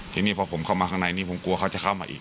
ทีนี้พอผมเข้ามาข้างในนี้ผมกลัวเขาจะเข้ามาอีก